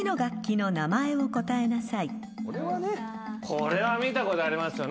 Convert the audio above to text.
これは見たことありますよね